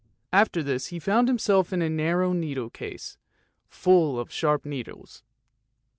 After this he found himself in a narrow needle case, full of sharp needles.